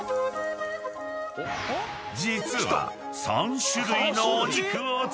［実は］